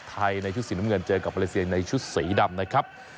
ในชุดสีน้ำเงินเจอกับมาเลเซียในชุดสีดำนะครับ